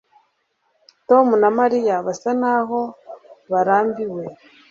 Tom na Mariya basa naho barambiwe